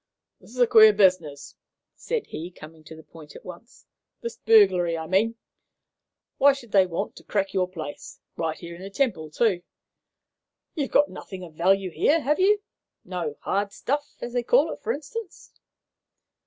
"This is a queer business," said he, coming to the point at once "this burglary, I mean. Why should they want to crack your place, right here in the Temple, too? You've got nothing of value here, have you? No 'hard stuff,' as they call it, for instance?"